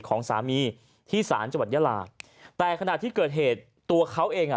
ของสามีที่ศาลจังหวัดยาลาแต่ขณะที่เกิดเหตุตัวเขาเองอ่ะ